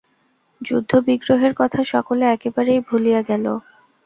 যুদ্ধবিগ্রহের কথা সকলে একেবারেই ভুলিয়া গেল।